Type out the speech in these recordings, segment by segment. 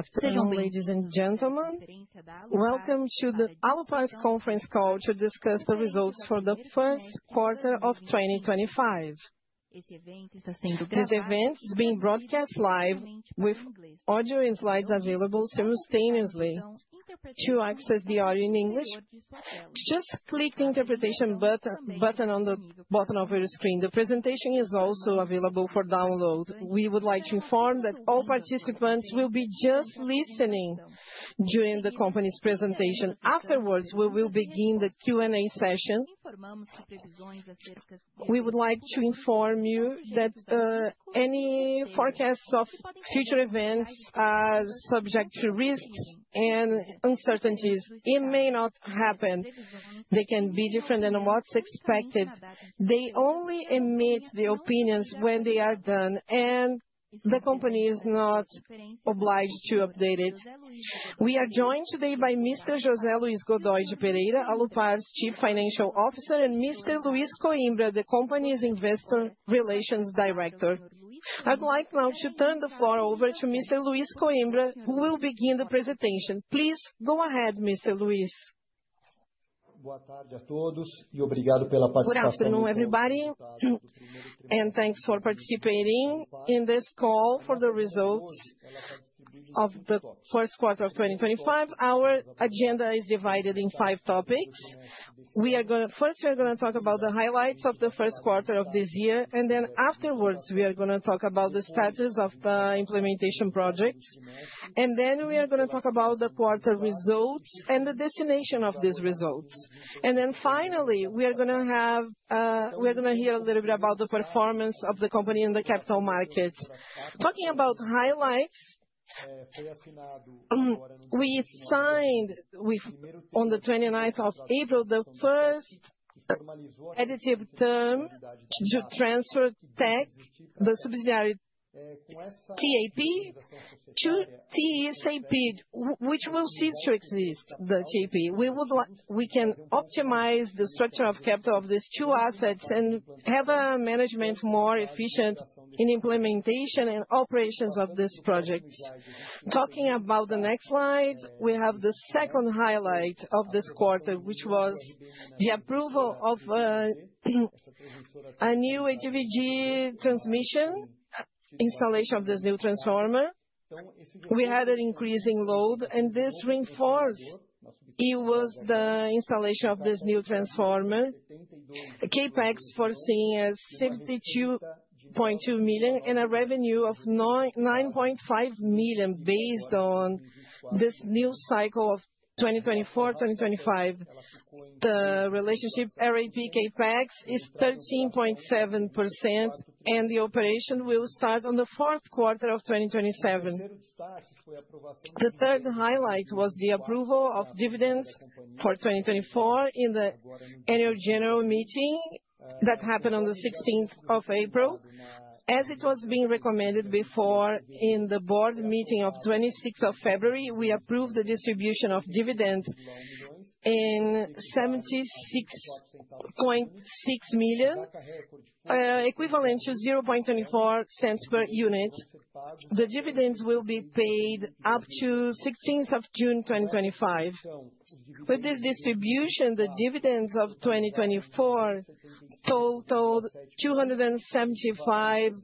After. Ladies and gentlemen, welcome to the Alupar Conference Call to discuss the results for the first quarter of 2025. This event is being broadcast live, with audio and slides available simultaneously. To access the audio in English, just click the interpretation button on the bottom of your screen. The presentation is also available for download. We would like to inform that all participants will be just listening during the company's presentation. Afterwards, we will begin the Q&A session. We would like to inform you that any forecasts of future events are subject to risks and uncertainties. It may not happen. They can be different than what's expected. They only emit the opinions when they are done, and the company is not obliged to update it. We are joined today by Mr. José Luís Godoy de Pereira, Alupar's Chief Financial Officer, and Mr. Luis Coimbra, the company's Investor Relations Director. I'd like now to turn the floor over to Mr. Luis Coimbra, who will begin the presentation. Please go ahead, Mr. Luis. Boa tarde a todos e obrigado pela participação. Good afternoon, everybody, and thanks for participating in this call for the results of the first quarter of 2025. Our agenda is divided in five topics. First, we are going to talk about the highlights of the first quarter of this year, and then afterwards we are going to talk about the status of the implementation projects. Then we are going to talk about the quarter results and the destination of these results. Finally, we are going to hear a little bit about the performance of the company in the capital markets. Talking about highlights, we signed on the 29th of April the first additive term to transfer the subsidiary TAP to TSAP, which will cease to exist, the TAP. We can optimize the structure of capital of these two assets and have management more efficient in implementation and operations of these projects. Talking about the next slide, we have the second highlight of this quarter, which was the approval of a new ATVG transmission installation of this new transformer. We had an increase in load, and this reinforced the installation of this new transformer, KPAX, foreseeing 62.2 million and a revenue of 9.5 million based on this new cycle of 2024-2025. The relationship RAP KPAX is 13.7%, and the operation will start in the fourth quarter of 2027. The third highlight was the approval of dividends for 2024 in the annual general meeting that happened on the 16th of April. As it was being recommended before in the board meeting of the 26th of February, we approved the distribution of dividends in 76.6 million, equivalent to 0.24 per unit. The dividends will be paid up to the 16th of June 2025. With this distribution, the dividends of 2024 totaled 275.7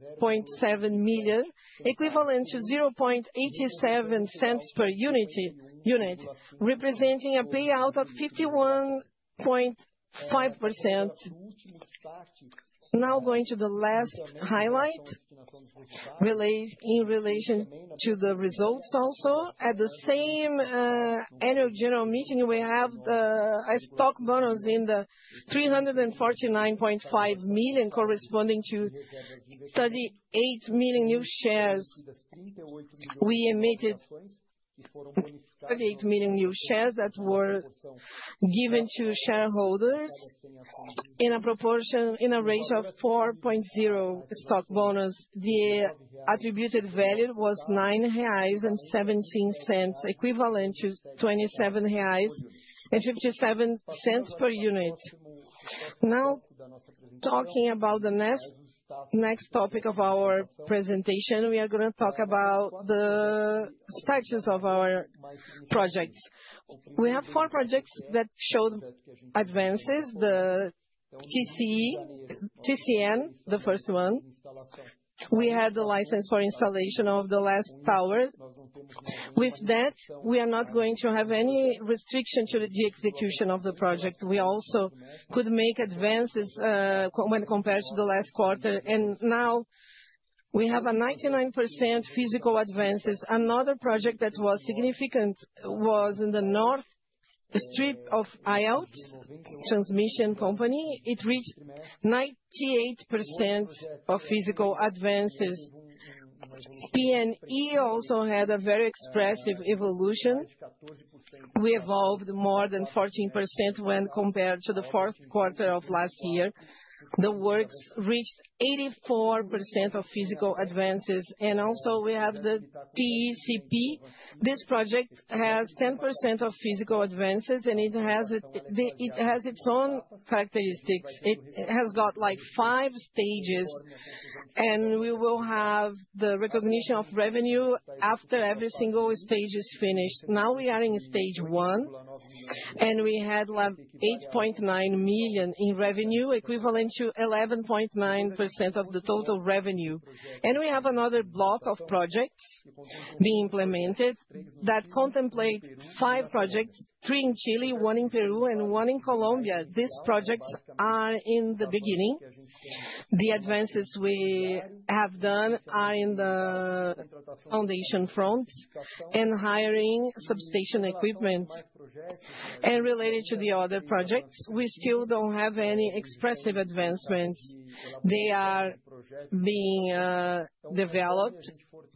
million, equivalent to 0.87 per unit, representing a payout of 51.5%. Now going to the last highlight in relation to the results also. At the same annual general meeting, we have a stock bonus in the 349.5 million, corresponding to 38 million new shares. We emitted 38 million new shares that were given to shareholders in a rate of 4.0 stock bonus. The attributed value was 9.17 reais, equivalent to 27.57 reais per unit. Now, talking about the next topic of our presentation, we are going to talk about the status of our projects. We have four projects that showed advances: the TCN, the first one. We had the license for installation of the last tower. With that, we are not going to have any restriction to the execution of the project. We also could make advances when compared to the last quarter. Now we have a 99% physical advances. Another project that was significant was in the north strip of IOTS transmission company. It reached 98% of physical advances. P&E also had a very expressive evolution. We evolved more than 14% when compared to the fourth quarter of last year. The works reached 84% of physical advances. Also we have the TCP. This project has 10% of physical advances, and it has its own characteristics. It has got like five stages, and we will have the recognition of revenue after every single stage is finished. Now we are in stage one, and we had 8.9 million in revenue, equivalent to 11.9% of the total revenue. We have another block of projects being implemented that contemplate five projects: three in Chile, one in Peru, and one in Colombia. These projects are in the beginning. The advances we have done are in the foundation front and hiring substation equipment. Related to the other projects, we still do not have any expressive advancements. They are being developed.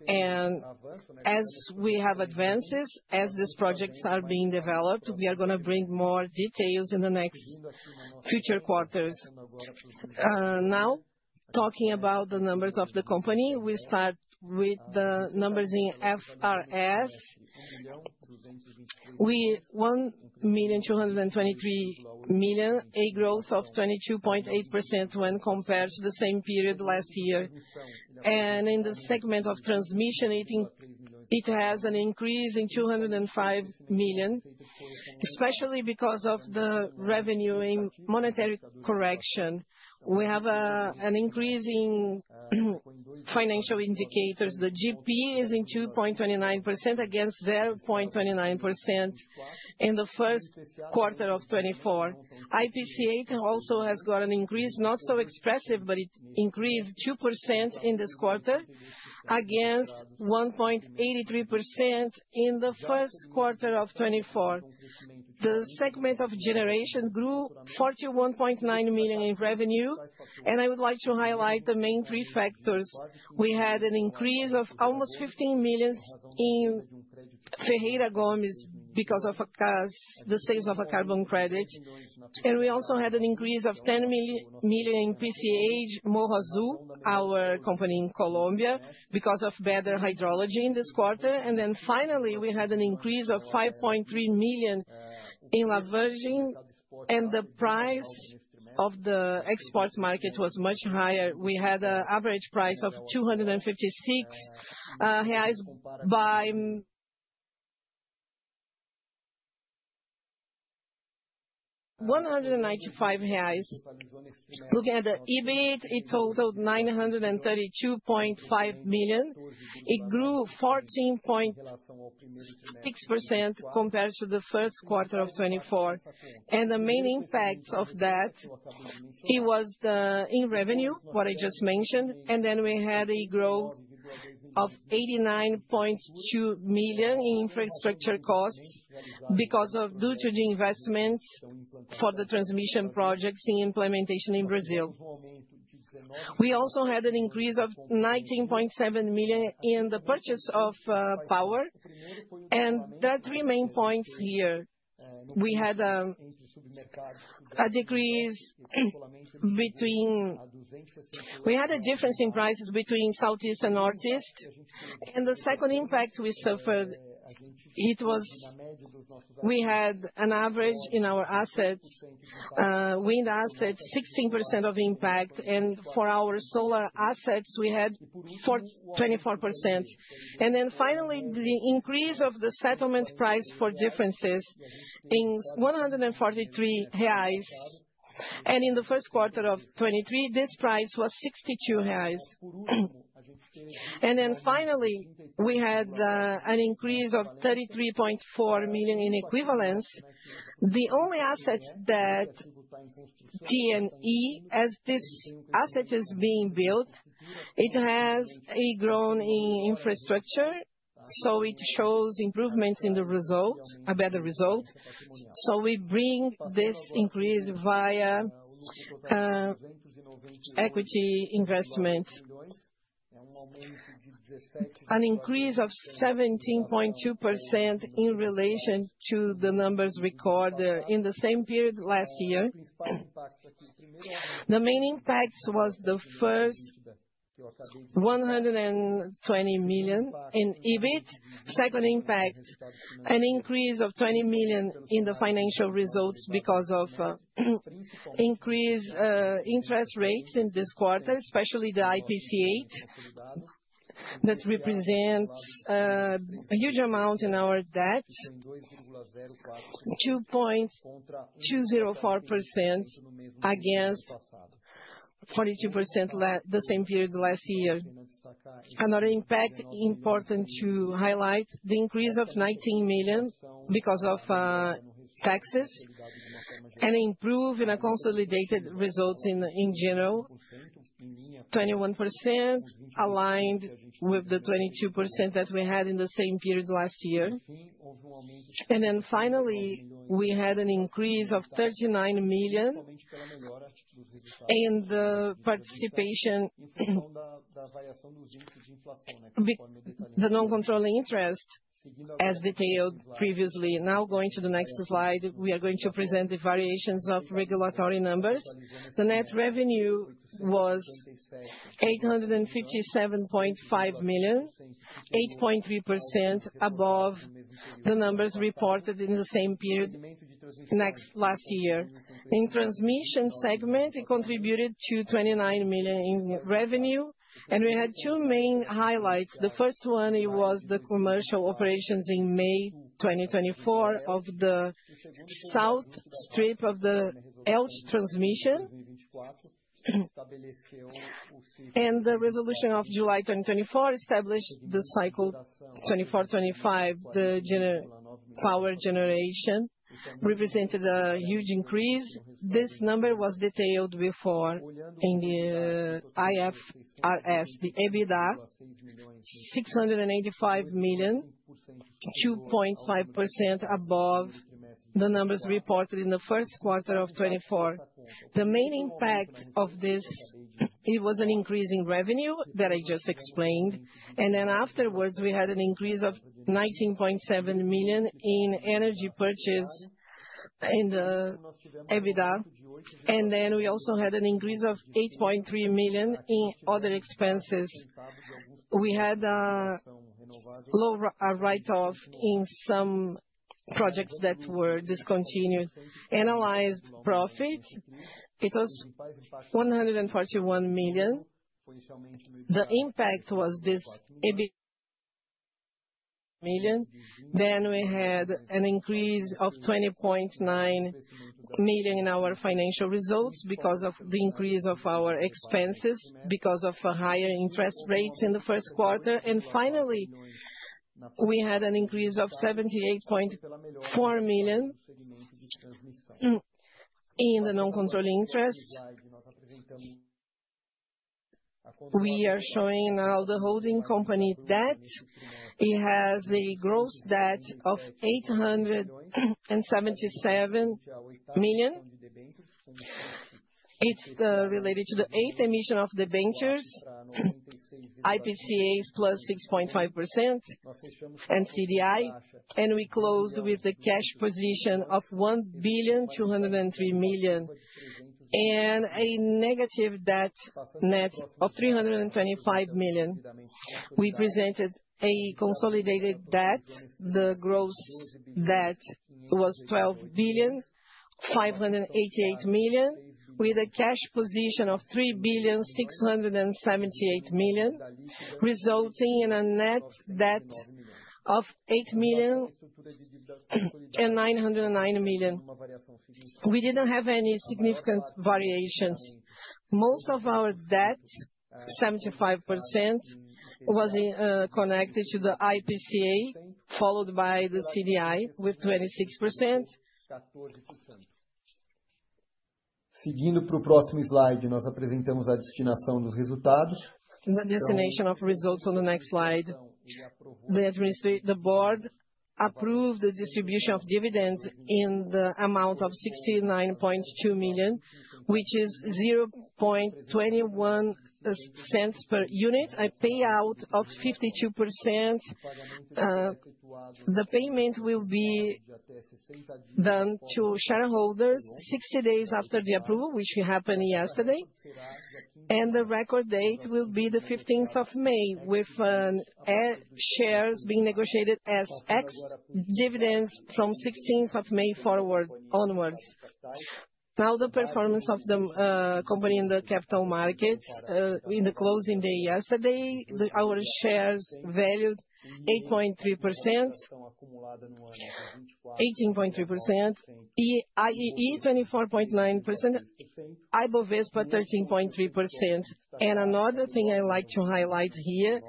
As we have advances, as these projects are being developed, we are going to bring more details in the next future quarters. Now, talking about the numbers of the company, we start with the numbers in FRS. We have 1,223 million, a growth of 22.8% when compared to the same period last year. In the segment of transmission, it has an increase in 205 million, especially because of the revenue in monetary correction. We have an increase in financial indicators. The GP is at 2.29% against 0.29% in the first quarter of 2024. IPCH also has got an increase, not so expressive, but it increased 2% in this quarter against 1.83% in the first quarter of 2024. The segment of generation grew 41.9 million in revenue. I would like to highlight the main three factors. We had an increase of almost 15 million in Ferreira Gomes because of the sales of a carbon credit. We also had an increase of 10 million in PCH Morrazu, our company in Colombia, because of better hydrology in this quarter. Finally, we had an increase of 5.3 million in La Virgen, and the price of the export market was much higher. We had an average price of 256 reais by 195 reais. Looking at the EBIT, it totaled 932.5 million. It grew 14.6% compared to the first quarter of 2024. The main impact of that was in revenue, what I just mentioned. We had a growth of 89.2 million in infrastructure costs due to the investments for the transmission projects in implementation in Brazil. We also had an increase of 19.7 million in the purchase of power. There are three main points here. We had a decrease, we had a difference in prices between southeast and northeast. The second impact we suffered, it was, we had an average in our assets, wind assets, 16% of impact. For our solar assets, we had 24%. Finally, the increase of the settlement price for differences in BRL 143. In the first quarter of 2023, this price was 62 reais. Finally, we had an increase of 33.4 million in equivalence. The only asset that T&E, as this asset is being built, it has a growth in infrastructure, so it shows improvements in the result, a better result. So we bring this increase via equity investment, an increase of 17.2% in relation to the numbers recorded in the same period last year. The main impact was the first 120 million in EBIT. Second impact, an increase of 20 million in the financial results because of increased interest rates in this quarter, especially the IPCA, that represents a huge amount in our debt, 2.204% against 42% the same period last year. Another impact important to highlight, the increase of 19 million because of taxes and improved and consolidated results in general, 21% aligned with the 22% that we had in the same period last year. Finally, we had an increase of 39 million in the participation of the non-controlling interest, as detailed previously. Now, going to the next slide, we are going to present the variations of regulatory numbers. The net revenue was BRL 857.5 million, 8.3% above the numbers reported in the same period last year. In the transmission segment, it contributed 29 million in revenue. We had two main highlights. The first one was the commercial operations in May 2024 of the south strip of the Elch transmission. The resolution of July 2024 established the cycle 2024-2025. The power generation represented a huge increase. This number was detailed before in the IFRS, the EBITDA, 685 million, 2.5% above the numbers reported in the first quarter of 2024. The main impact of this was an increase in revenue that I just explained. Afterwards, we had an increase of 19.7 million in energy purchase in the EBITDA. We also had an increase of 8.3 million in other expenses. We had a low write-off in some projects that were discontinued. Analyzed profit, it was 141 million. The impact was this million. We had an increase of 20.9 million in our financial results because of the increase of our expenses, because of higher interest rates in the first quarter. Finally, we had an increase of 78.4 million in the non-controlling interest. We are showing now the holding company debt. It has a gross debt of 877 million. It is related to the eighth emission of the bankers, IPCA plus 6.5% and CDI. We closed with a cash position of 1,203 million and a negative debt net of 325 million. We presented a consolidated debt. The gross debt was 12,588 million, with a cash position of 3,678 million, resulting in a net debt of 8,909 million. We did not have any significant variations. Most of our debt, 75%, was connected to the IPCA, followed by the CDI with 26%. Seguindo para o próximo slide, nós apresentamos a destinação dos resultados. The destination of results on the next slide. The board approved the distribution of dividends in the amount of 69.2 million, which is 0.21 per unit, a payout of 52%. The payment will be done to shareholders 60 days after the approval, which happened yesterday. The record date will be the 15th of May, with shares being negotiated as ex-dividends from 16th of May forward onwards. Now, the performance of the company in the capital markets, in the closing day yesterday, our shares valued 8.3%, 18.3%, IEE 24.9%, IBOVESPA 13.3%. Another thing I'd like to highlight here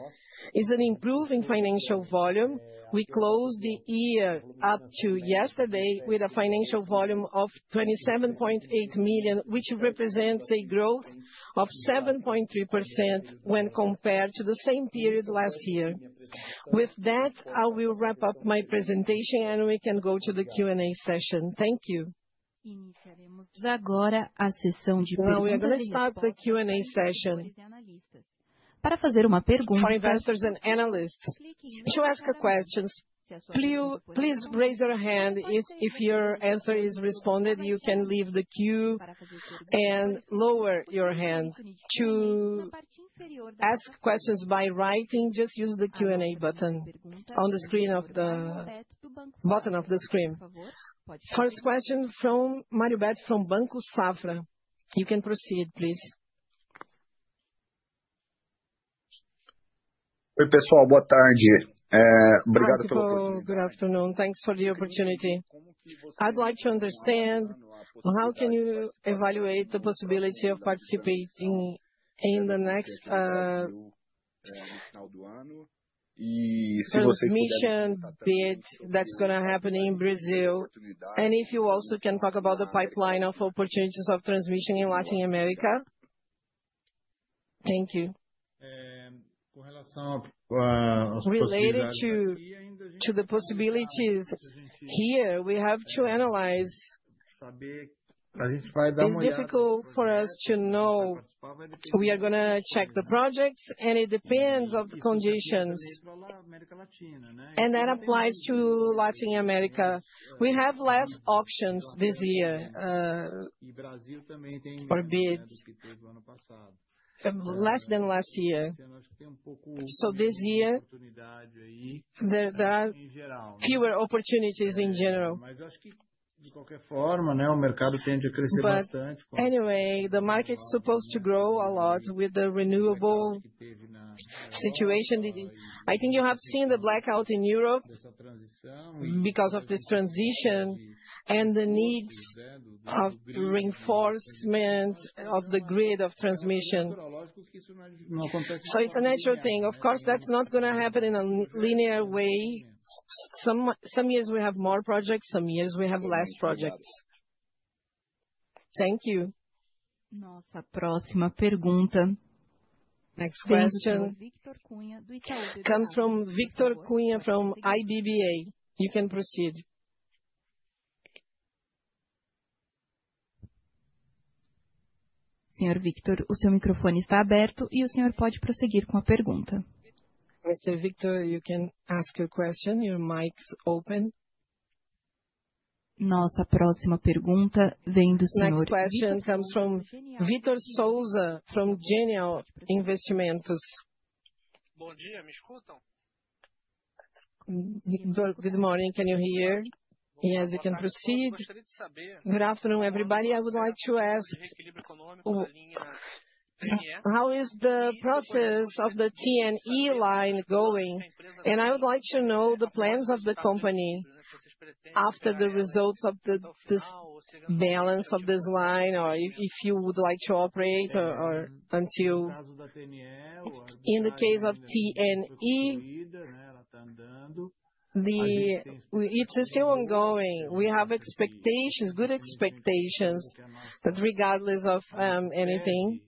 is an improving financial volume. We closed the year up to yesterday with a financial volume of 27.8 million, which represents a growth of 7.3% when compared to the same period last year. With that, I will wrap up my presentation, and we can go to the Q&A session. Thank you. Iniciaremos agora a sessão de perguntas. Now we are going to start the Q&A session. Para fazer uma pergunta. For investors and analysts, to ask questions, please raise your hand. If your answer is responded, you can leave the queue and lower your hand to ask questions by writing. Just use the Q&A button on the screen at the bottom of the screen. First question from Mário Berto, from Banco Safra. You can proceed, please. Oi, pessoal, boa tarde. Obrigado pela oportunidade. Hello, good afternoon. Thanks for the opportunity. I'd like to understand how can you evaluate the possibility of participating in the next transmission that's going to happen in Brazil, and if you also can talk about the pipeline of opportunities of transmission in Latin America. Thank you. Com relação a possibilidades aqui. we have to analyze what is difficult for us to know. We are going to check the projects, and it depends on the conditions. And that applies to Latin America. We have less options this year. E Brasil também tem. Or bids. Less than last year. This year, there are fewer opportunities in general. Mas eu acho que, de qualquer forma, o mercado tende a crescer bastante. But anyway, the market is supposed to grow a lot with the renewable situation. I think you have seen the blackout in Europe because of this transition and the needs of reinforcement of the grid of transmission. It's a natural thing. Of course, that's not going to happen in a linear way. Some years we have more projects, some years we have less projects. Thank you. Nossa próxima pergunta. Next question. Com a resposta do Vítor Cunha, do Itaú. Comes from Vítor Cunha from Itaú BBA. You can proceed. Senhor Vítor, o seu microfone está aberto e o senhor pode prosseguir com a pergunta. Mr. Vítor, you can ask your question. Your mic's open. Nossa próxima pergunta vem do senhor Vítor. Next question comes from Vítor Souza, from Genial Investimentos. Bom dia, me escutam? Good morning, can you hear? Yes, you can proceed. Gosto de saber. Good afternoon, everybody. I would like to ask how is the process of the T&E line going? I would like to know the plans of the company after the results of this balance of this line, or if you would like to operate or until in the case of T&E. It is still ongoing. We have expectations, good expectations, but regardless of anything,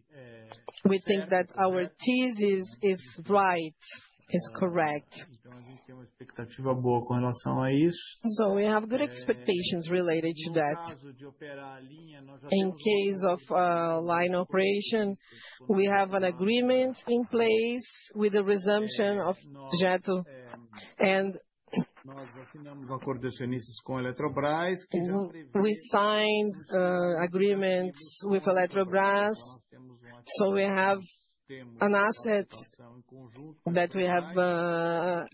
we think that our thesis is right, is correct. Então a gente tem uma expectativa boa com relação a isso. We have good expectations related to that. In case of line operation, we have an agreement in place with the resumption of jet and. Nós assinamos o acordo de sienices com a Eletrobras, que já prevê. We signed agreements with Eletrobras, so we have an asset that we have a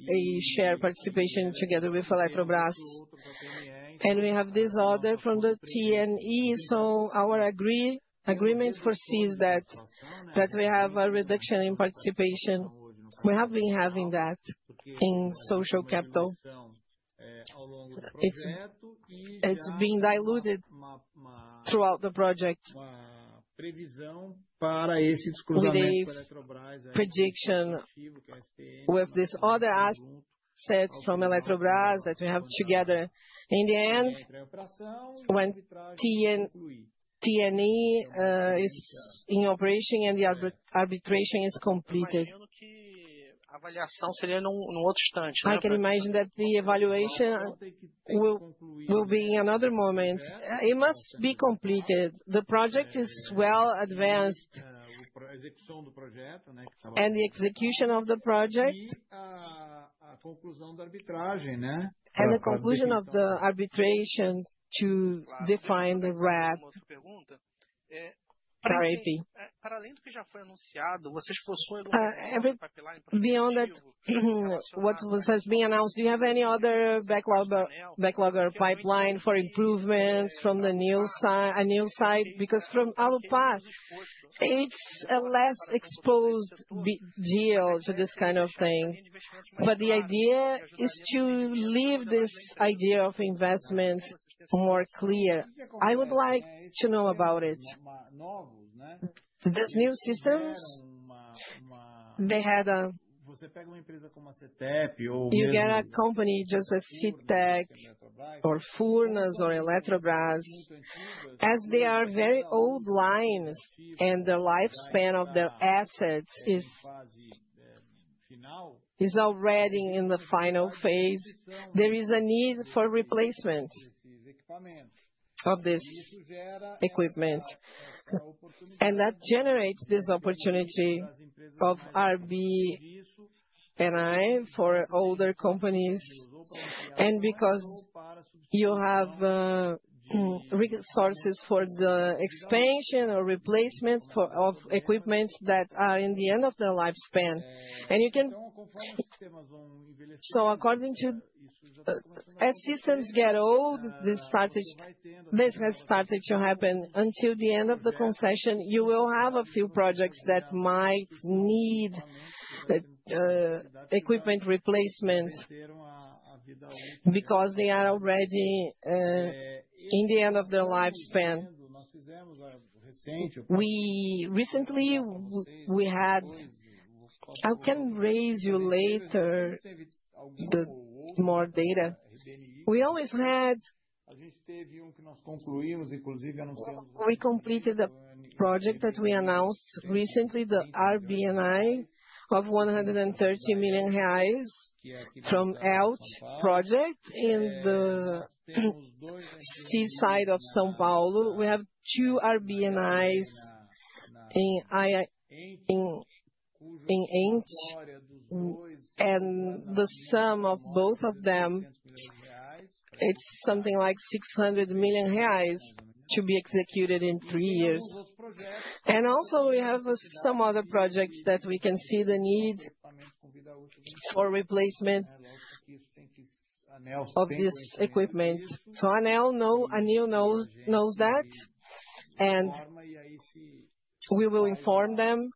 share participation together with Eletrobras. We have this order from the T&E, so our agreement foresees that we have a reduction in participation. We have been having that in social capital. It's being diluted throughout the project. Previsão para esse desclosamento com a Eletrobras. Prediction with this other asset from Eletrobras that we have together. In the end, when T&E is in operation and the arbitration is completed. A avaliação seria num outro instante. I can imagine that the evaluation will be in another moment. It must be completed. The project is well advanced. A execução do projeto. And the execution of the project. E a conclusão da arbitragem. And the conclusion of the arbitration to define the rep. Para além do que já foi anunciado, vocês possuem algum pipeline para fazer isso? Beyond what has been announced, do you have any other backlog or pipeline for improvements from the new side? Because from Alupar, it's a less exposed deal to this kind of thing. The idea is to leave this idea of investment more clear. I would like to know about it. These new systems, they had a. Você pega uma empresa como a CETEP ou. You get a company, just a CETEP or Furnas or Eletrobras, as they are very old lines and the lifespan of their assets is already in the final phase, there is a need for replacement of this equipment. That generates this opportunity of RBNI for older companies. Because you have resources for the expansion or replacement of equipment that are in the end of their lifespan. You can. Sistemas vão envelhecer. According to, as systems get old, this has started to happen. Until the end of the concession, you will have a few projects that might need equipment replacement because they are already in the end of their lifespan. Nós fizemos a recente. We recently had, I can raise you later the more data. We always had. A gente teve que nós concluímos, inclusive anunciamos. We completed a project that we announced recently, the RBNI of 130 million reais from Elch project in the seaside of São Paulo. We have two RBNIs in Inch and the sum of both of them, it's something like 600 million reais to be executed in three years. We have some other projects that we can see the need for replacement of this equipment. Anel knows, Anel knows that, and we will inform them,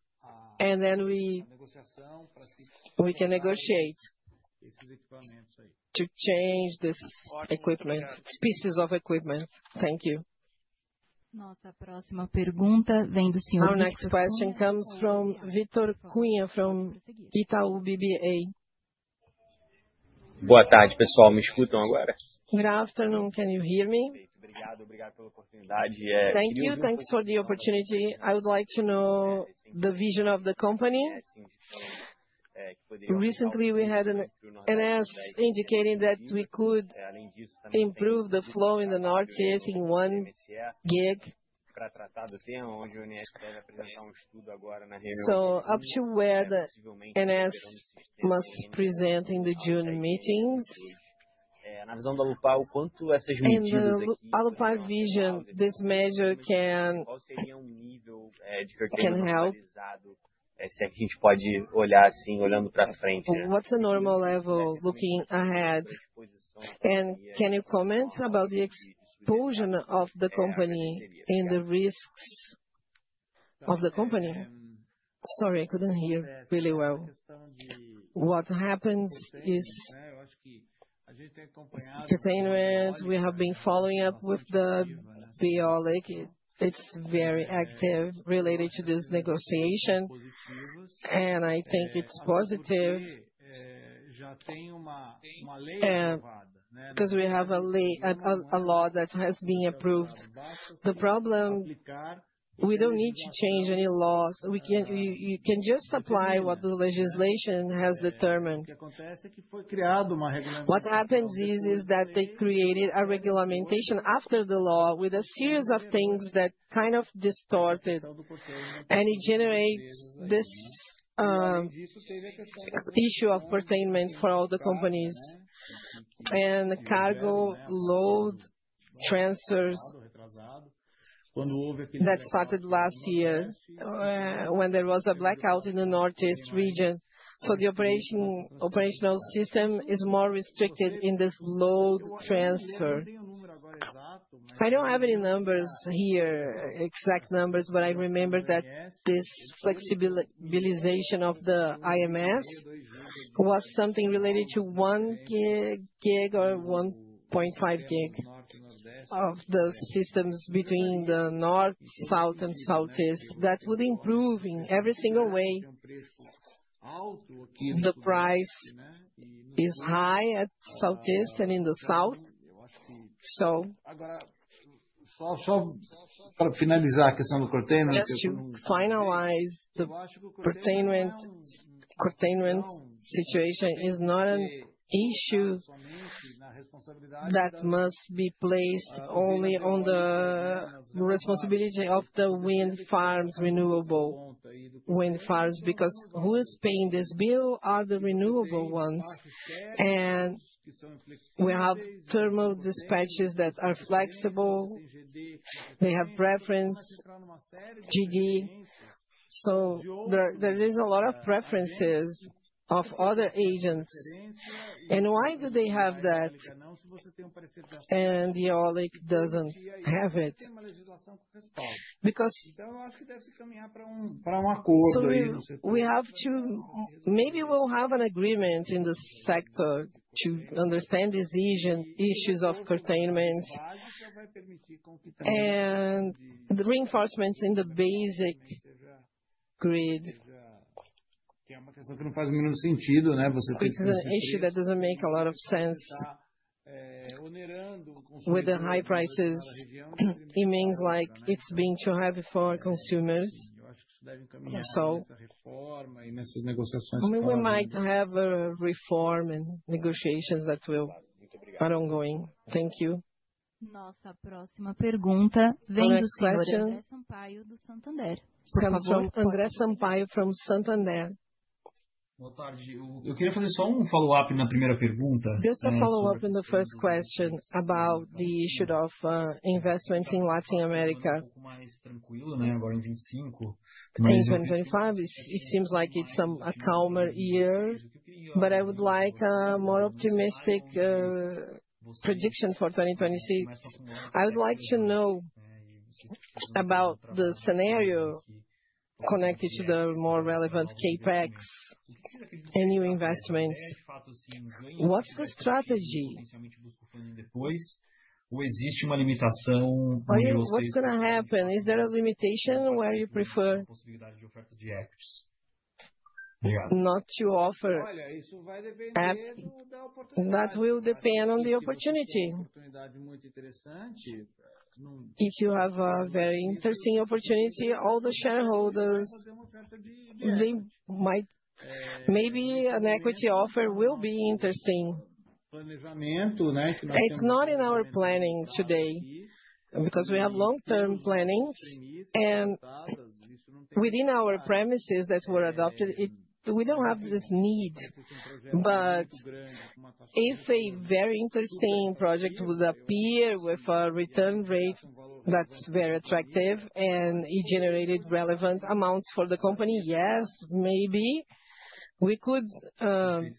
and then we can negotiate. Esses equipamentos aí. To change this equipment, pieces of equipment. Thank you. Nossa próxima pergunta vem do senhor Vítor. Our next question comes from Vítor Cunha from Itaú BBA. Boa tarde, pessoal. Me escutam agora? Good afternoon. Can you hear me? Obrigado, obrigado pela oportunidade. Thank you, thanks for the opportunity. I would like to know the vision of the company. Recently we had an ONS indicating that we could improve the flow in the Northeast in one gig. Para tratar do tema, onde o ONS deve apresentar estudo agora na reunião de ONS, possivelmente. Up to where the ONS must present in the June meetings. Na visão da Alupar, o quanto essas medidas aqui. Alupar vision, this measure can. Qual seria nível de que eu tenho que ser revisado, se é que a gente pode olhar assim, olhando para frente. What's a normal level looking ahead? Can you comment about the exposure of the company and the risks of the company? Sorry, I could not hear really well. What happens is. A gente tem que acompanhar. Entertainment, we have been following up with the BOL, it is very active. Related to this negotiation, and I think it is positive. Because we have a law that has been approved. The problem, we don't need to change any laws, we can just apply what the legislation has determined. What happens is that they created a regulation after the law with a series of things that kind of distorted, and it generates this issue of pertainments for all the companies. And cargo load transfers that started last year, when there was a blackout in the Northeast region. The operational system is more restricted in this load transfer. I don't have any numbers here, exact numbers, but I remember that this flexibilization of the IMS was something related to one gig or 1.5 gig of the systems between the North, South, and Southeast. That would improve in every single way. The price is high at Southeast and in the South. Só para finalizar a questão do container. Just to finalize, the pertainments situation is not an issue that must be placed only on the responsibility of the wind farms, renewable wind farms, because who is paying this bill are the renewable ones. We have thermal dispatches that are flexible, they have preference GD, so there is a lot of preferences of other agents. Why do they have that and the EOLIC doesn't have it? We have to, maybe we'll have an agreement in the sector to understand these issues of containment and the reinforcements in the basic grid. Que é uma questão que não faz o menor sentido, né? Você tem que fazer isso. It's an issue that doesn't make a lot of sense with the high prices. It means like it's being too heavy for consumers. Eu acho que isso deve encaminhar essa reforma e nessas negociações. We might have a reform and negotiations that are ongoing. Thank you. Nossa próxima pergunta vem do senhor André Sampaio do Santander. Professor André Sampaio from Santander.Boa tarde, eu queria fazer só follow-up na primeira pergunta. Just a follow-up on the first question about the issue of investments in Latin America. Pouco mais tranquilo, né? Agora em 2025. In 2025, it seems like it's a calmer year, but I would like a more optimistic prediction for 2026. I would like to know about the scenario connected to the more relevant CapEx and new investments. What's the strategy? Ou existe uma limitação onde vocês. What's going to happen? Is there a limitation where you prefer? Obrigado. Not to offer. Olha, isso vai depender da oportunidade. That will depend on the opportunity. Oportunidade muito interessante. If you have a very interesting opportunity, all the shareholders might, maybe an equity offer will be interesting. Planejamento, né? It's not in our planning today because we have long-term plannings and within our premises that were adopted, we don't have this need. If a very interesting project would appear with a return rate that's very attractive and it generated relevant amounts for the company, yes, maybe we could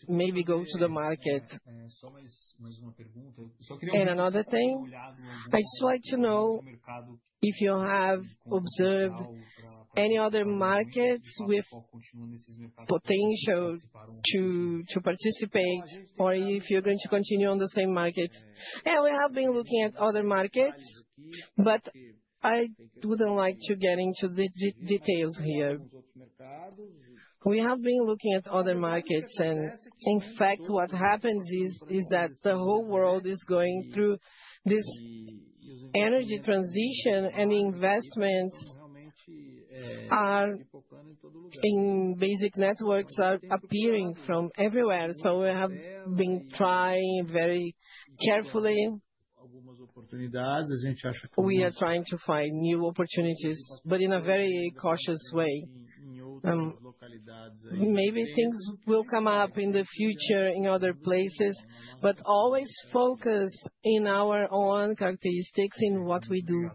maybe go to the market. Só mais uma pergunta. Eu só queria uma coisa. Another thing, I just like to know if you have observed any other markets with potential to participate or if you're going to continue on the same markets. We have been looking at other markets, but I wouldn't like to get into the details here. We have been looking at other markets and in fact what happens is that the whole world is going through this energy transition and investments in basic networks are appearing from everywhere. So we have been trying very carefully. Algumas oportunidades, a gente acha que. We are trying to find new opportunities, but in a very cautious way. Maybe things will come up in the future in other places, but always focus in our own characteristics in what we do.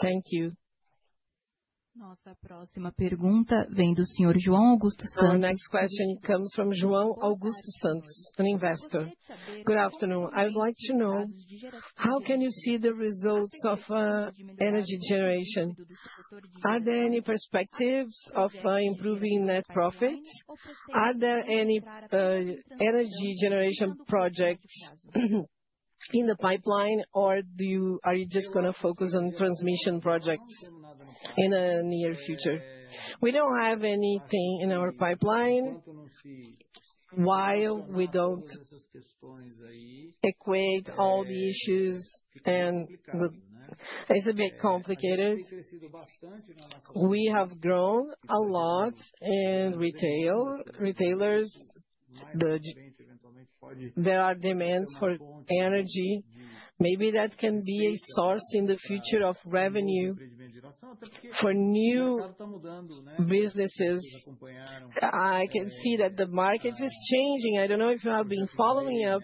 Thank you. Nossa próxima pergunta vem do senhor João Augusto Santos. So the next question comes from João Augusto Santos, an investor. Good afternoon. I would like to know how can you see the results of energy generation? Are there any perspectives of improving net profits? Are there any energy generation projects in the pipeline or are you just going to focus on transmission projects in the near future? We don't have anything in our pipeline while we don't equate all the issues and it's a bit complicated. We have grown a lot in retail. Retailers, there are demands for energy. Maybe that can be a source in the future of revenue for new businesses. I can see that the market is changing. I don't know if you have been following up,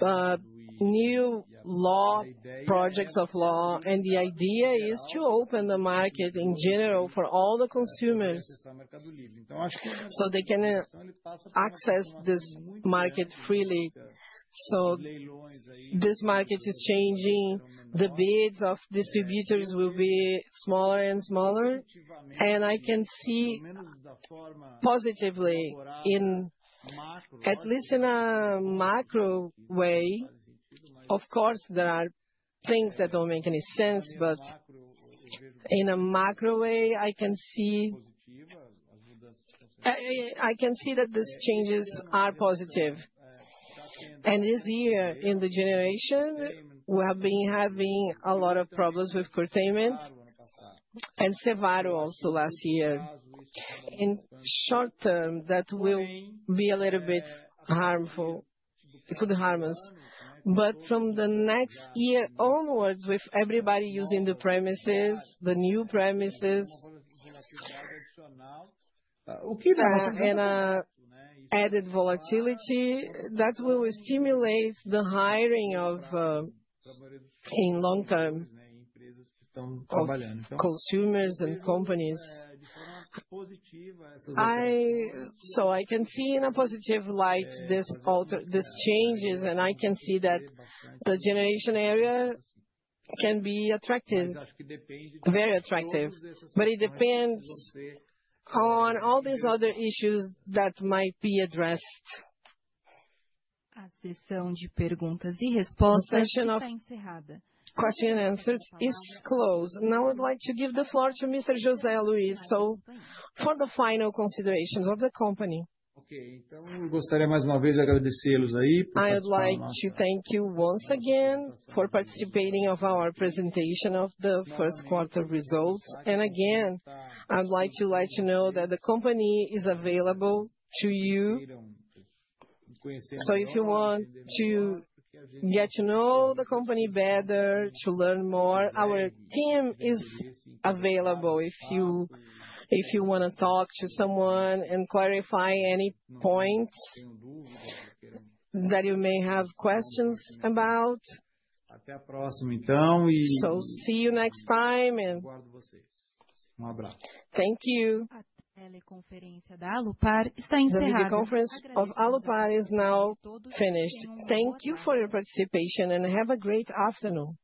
but new law, projects of law, and the idea is to open the market in general for all the consumers. Então acho que isso. They can access this market freely. This market is changing. The bids of distributors will be smaller and smaller. I can see positively in at least in a macro way. Of course, there are things that don't make any sense, but in a macro way, I can see that these changes are positive. This year in the generation, we have been having a lot of problems with containment and Cevaro also last year. In short term, that will be a little bit harmful. It could harm us. From the next year onwards, with everybody using the premises, the new premises, and added volatility, that will stimulate the hiring of in long-term consumers and companies. I can see in a positive light these changes, and I can see that the generation area can be attractive. Very attractive. It depends on all these other issues that might be addressed. A sessão de perguntas e respostas está encerrada. Question and answers is closed. Now I'd like to give the floor to Mr. José Luís for the final considerations of the company. Ok, então eu gostaria mais uma vez de agradecê-los aí. I'd like to thank you once again for participating in our presentation of the first quarter results. I would like to let you know that the company is available to you. If you want to get to know the company better, to learn more, our team is available if you want to talk to someone and clarify any points that you may have questions about. Até a próxima, então. See you next time. Abraço. Thank you. A teleconferência da Alupar está encerrada. The conference of Alupar is now finished. Thank you for your participation and have a great afternoon.